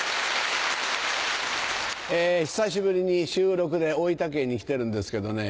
久しぶりに収録で大分県に来てるんですけどね